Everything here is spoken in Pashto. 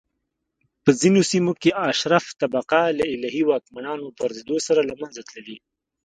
په ځینو سیمو کې اشراف طبقه له الهي واکمنانو پرځېدو سره له منځه تللي